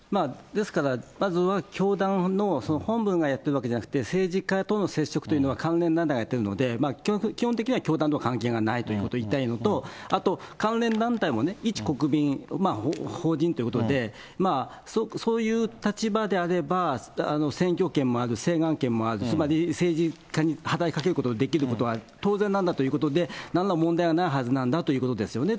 ですから、まずは教団の本部のやっているわけじゃなくて、政治家の接触というのは、連合団体がやっているので、基本的には教団とは関係がないということを言いたいのと、あと関連団体も一国民、法人ということで、そういう立場であれば、選挙権もある、請願権もある、つまり政治家に働きかけることができることは当然なんだということで、なんら問題はないはずなんだということですよね。